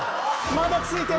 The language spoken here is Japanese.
まだついている。